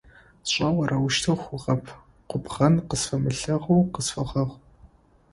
Сшӏэу арэущтэу хъугъэп! Губгъэн къысфэмылъэгъоу къысфэгъэгъу.